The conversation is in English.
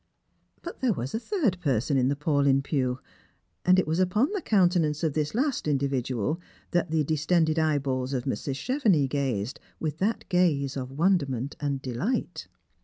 But there waa a third person in the Paulyn pew, and it was upon the counte nance of this last individual that the distented eyeballs of Mrs. Chevenix gazed with that gaze of wonderment and delight.